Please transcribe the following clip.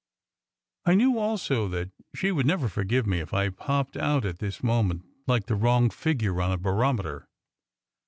I knew also that she would never forgive me if I popped out at this moment, like the wrong figure on a barometer.